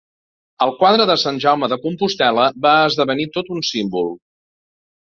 Al quadre de Sant Jaume de Compostel·la va esdevenir tot un símbol.